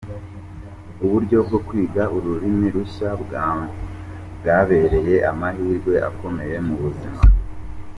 Uburyo bwo kwiga ururimi rushya bwambereye amahirwe akomeye mu buzima.